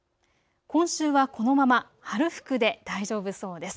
今週はこのまま春服で大丈夫そうです。